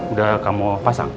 udah kamu pasang